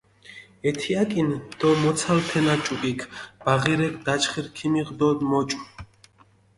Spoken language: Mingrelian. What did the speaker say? ეთიაკინ დო მოცალჷ თენა ჭუკიქ, ბაღირექ დაჩხირი ქჷმიღუ დო მოჭუ.